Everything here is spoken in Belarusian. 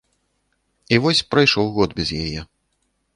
І вось прайшоў год без яе.